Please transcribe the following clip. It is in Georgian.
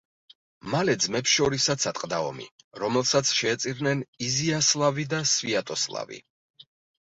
მალე ძმებს შორისაც ატყდა ომი, რომელსაც შეეწირნენ იზიასლავი და სვიატოსლავი.